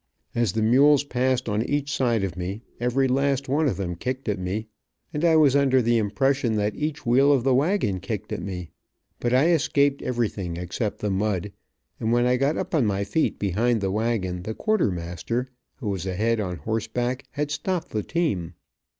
As the mules passed on each side of me, every last one of them kicked at me, and I was under the impression that each wheel of the wagon kicked at me, but I escaped everything except the mud, and when I got up on my feet behind the wagon, the quartermaster, who was ahead on horseback, had stopped the team.